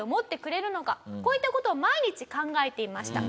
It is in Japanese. こういった事を毎日考えていました。